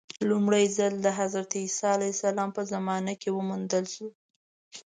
لومړی ځل د حضرت عیسی علیه السلام په زمانه کې وموندل شو.